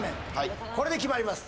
これで決まります